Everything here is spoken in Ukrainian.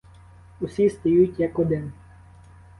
Усі стають як один.